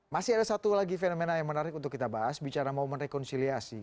masih ada satu lagi fenomena yang menarik untuk kita bahas bicara momen rekonsiliasi